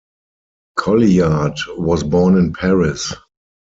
Colliard was born in Paris.